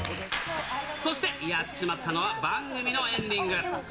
そしてやっちまったのは、番組のエンディング。